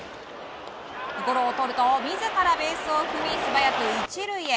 ゴロをとると自らベースを踏み素早く１塁へ。